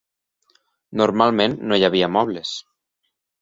Normalment no hi havia mobles.